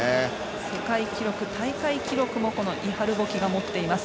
世界記録、大会記録もこのイハル・ボキが持っています。